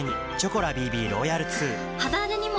肌荒れにも！